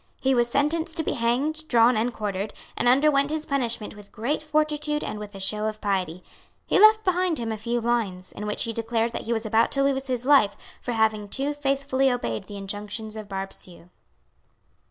He was sentenced to be hanged, drawn and quartered, and underwent his punishment with great fortitude and with a show of piety. He left behind him a few lines, in which he declared that he was about to lose his life for having too faithfully obeyed the injunctions of Barbesieux.